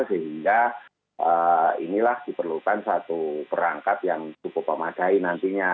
sehingga inilah diperlukan satu perangkat yang cukup memadai nantinya